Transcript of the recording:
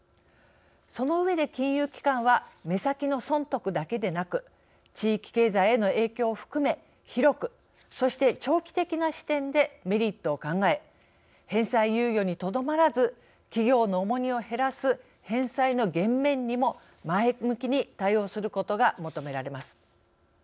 その上で、金融機関は目先の損得だけでなく地域経済への影響を含め広く、そして、長期的な視点でメリットを考え返済猶予にとどまらず企業の重荷を減らす返済の減免にも前向きに対応することが求められます。